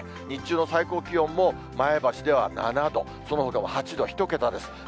日中の最高気温も、前橋では７度、そのほかも８度、１桁です。